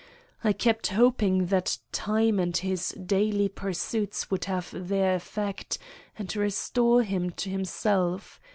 I kept hoping that time and his daily pursuits would have their effect and restore him to himself.